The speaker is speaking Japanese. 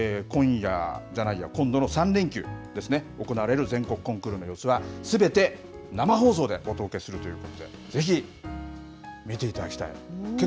今度の３連休ですね、行われる全国コンクールの様子はすべて生放送でお届けするということで、ぜひ見ていただきたい。